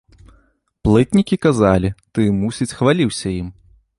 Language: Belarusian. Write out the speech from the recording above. Плытнікі казалі, ты, мусіць, хваліўся ім.